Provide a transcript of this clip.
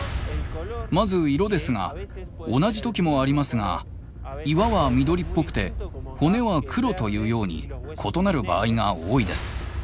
まず色ですが同じ時もありますが岩は緑っぽくて骨は黒というように異なる場合が多いです。